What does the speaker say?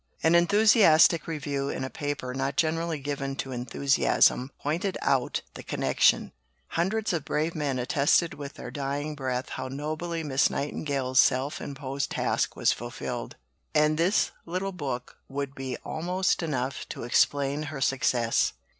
An enthusiastic review in a paper not generally given to enthusiasm pointed out the connection: "Hundreds of brave men attested with their dying breath how nobly Miss Nightingale's self imposed task was fulfilled, and this little book would be almost enough to explain her success.